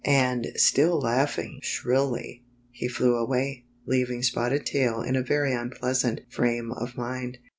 And still laughing shrilly, he flew away, leav ing Spotted Tail in a very unpleasant frame of mind.